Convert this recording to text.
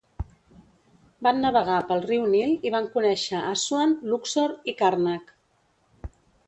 Van navegar pel riu Nil i van conèixer Assuan, Luxor i Karnak.